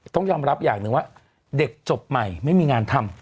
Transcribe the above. ต้องยอมรับอย่างหนึ่งว่าเด็กจบใหม่ไม่มีงานทำ